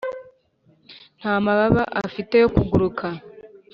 nta mababa afite yo kuguruka,